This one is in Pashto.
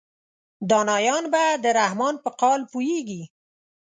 دانایان به د رحمان په قال پوهیږي.